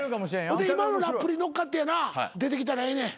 今のラップに乗っかってやな出てきたらええねん。